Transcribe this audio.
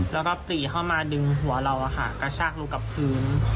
แล้วก็ปรีเข้ามาดึงหัวเราะกระชากลงกับพื้น